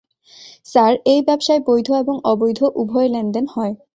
Sir, এই ব্যবসায়, বৈধ এবং অবৈধ উভয় লেনদেন হয়।